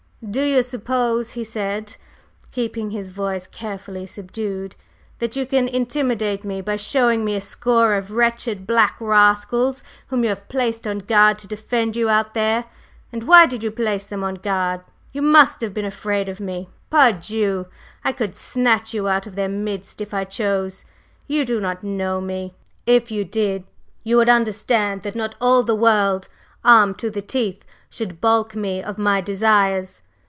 "Do you suppose," he said, keeping his voice carefully subdued, "that you can intimidate me by showing me a score of wretched black rascals whom you have placed on guard to defend you out there? And why did you place them on guard? You must have been afraid of me! Pardieu! I could snatch you out of their midst, if I chose! You do not know me; if you did, you would understand that not all the world, armed to the teeth should balk me of my desires!